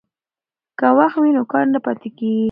که وخت وي نو کار نه پاتیږي.